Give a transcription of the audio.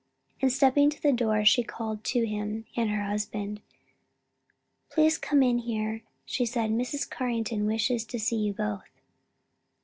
and stepping to the door, she called to him and her husband, "Please come in here," she said, "Mrs. Carrington wishes to see you both."